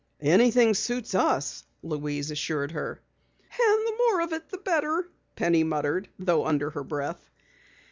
"Anything suits us," Louise assured her. "And the more of it, the better," Penny muttered, though under her breath.